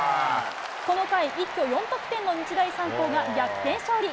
この回、一挙４得点の日大三高が逆転勝利。